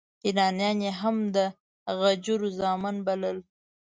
ایرانیان یې هم د غجرو زامن بلل.